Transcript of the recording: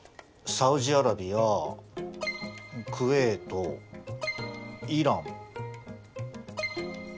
サウジアラビアクウェートイラン。